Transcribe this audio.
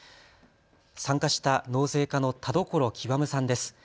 参加した納税課の田所究さんです。